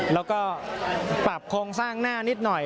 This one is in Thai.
แล้วก็ปรับโครงสร้างหน้านิดหน่อย